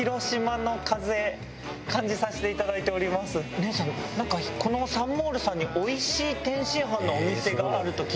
お姉さんなんかこのサンモールさんにおいしい天津飯のお店があると聞いたんですけども。